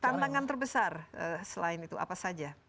tantangan terbesar selain itu apa saja